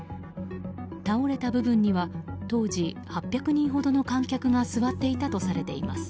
倒れた部分には当時８００人ほどの観客が座っていたとされています。